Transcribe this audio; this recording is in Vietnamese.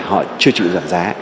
họ chưa chịu giảm giá